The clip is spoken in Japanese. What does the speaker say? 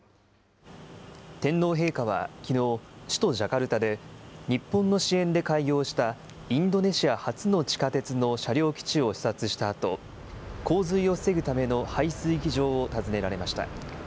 天皇陛下はきのう、首都ジャカルタで、日本の支援で開業したインドネシア初の地下鉄の車両基地を視察したあと、洪水を防ぐための排水機場を訪ねられました。